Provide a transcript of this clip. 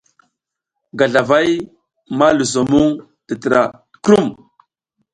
Gazlavay ma luso muŋ tətra krum.